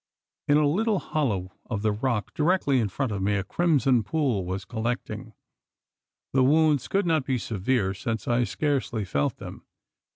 In a little hollow of the rock, directly in front of me, a crimson pool was collecting. The wounds could not be severe: since I scarcely felt them.